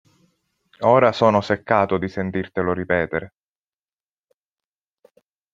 Ora sono seccato di sentirtelo ripetere.